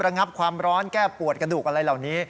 งับความร้อนแก้ปวดกระดูกอะไรเหล่านี้